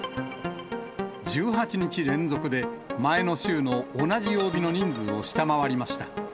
１８日連続で、前の週の同じ曜日の人数を下回りました。